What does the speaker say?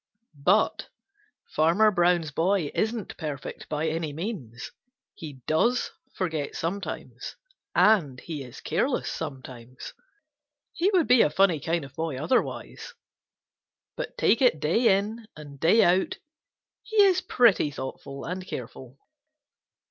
But Farmer Brown's boy isn't perfect by any means. He does forget sometimes, and he is careless sometimes. He would be a funny kind of boy otherwise. But take it day in and day out, he is pretty thoughtful and careful.